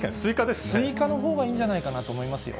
すいかのほうがいいんじゃないかなと思いますよ。